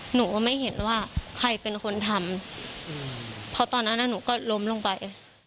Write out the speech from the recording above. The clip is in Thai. หนูก็ไม่เห็นว่าใครเป็นคนทำเพราะตอนนั้นหนูก็ล้มลงไป